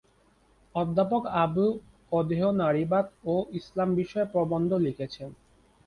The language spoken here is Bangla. অধ্যাপক আবু-অদেহ নারীবাদ ও ইসলাম বিষয়ে প্রবন্ধ লিখেছেন।